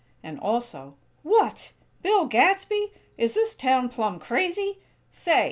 And also: "What! Bill Gadsby? Is this town plumb crazy? Say!